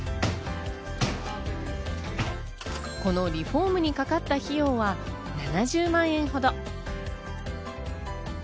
このリフォームにかかった費用は７０万円ほど。